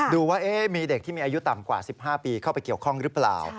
ดูว่ามีเด็กที่มีอายุต่ำกว่า๑๕ปีเข้าไปเกี่ยวข้องหรือเปล่า